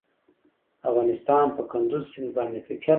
افغانستان په کندز سیند باندې تکیه لري.